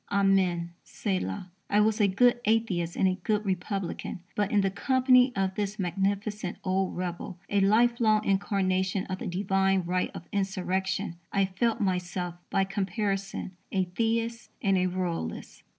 Amen: Selah), I was a good atheist and a good republican; but in the company of this magnificent old rebel, a lifelong incarnation of the divine right of insurrection, I felt myself, by comparison, a Theist and a Royalist.